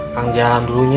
kang jalan dulunya